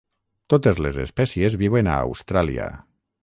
Totes les espècies viuen a Austràlia.